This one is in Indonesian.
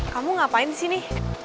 kamu ngapain di sini